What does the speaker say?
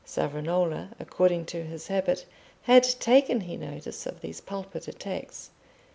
Savonarola, according to his habit, had taken no notice of these pulpit attacks.